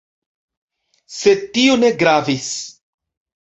Sed tio ne gravis.